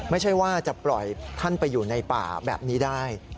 ไม่ใช่ว่าจะปล่อยท่านไปอยู่ในป่าแบบนี้ได้